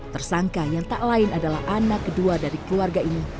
tersangka yang tak lain adalah anak kedua dari keluarga ini